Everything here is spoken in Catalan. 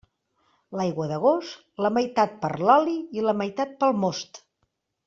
L'aigua d'agost, la meitat per l'oli i la meitat pel most.